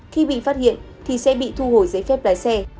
khi bị phát hiện thì sẽ bị thu hồi giấy phép lái xe